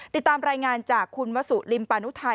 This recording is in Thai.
ติดตามรายงานจากณวัสุลิมปาณุทัย